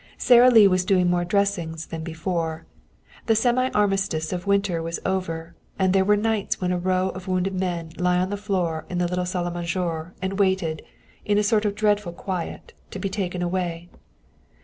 Sara Lee was doing more dressings than before. The semi armistice of winter was over, and there were nights when a row of wounded men lay on the floor in the little salle à manger and waited, in a sort of dreadful quiet, to be taken away.